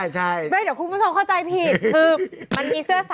ใช่